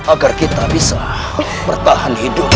agar kita bisa menangani mereka